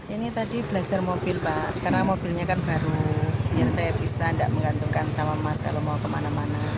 ini tadi belajar mobil pak karena mobilnya kan baru biar saya bisa tidak menggantungkan sama mas kalau mau kemana mana